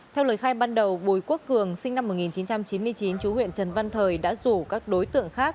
theo lời khai ban đầu bùi quốc cường sinh năm một nghìn chín trăm chín mươi chín chú huyện trần văn thời đã rủ các đối tượng khác